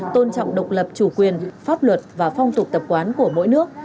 tôn trọng độc lập chủ quyền pháp luật và phong tục tập quán của mỗi nước